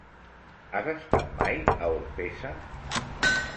Has estat mai a Orpesa?